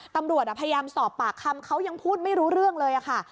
ตำรวจพยายามสอบปากคำเขายังพูดไม่รู้เรื่องเลยค่ะ